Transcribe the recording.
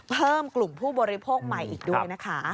เพิ่มกลุ่มผู้บริโภคใหม่อีกด้วยนะคะ